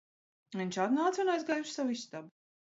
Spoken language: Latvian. Viņš atnāca un aizgāja uz savu istabu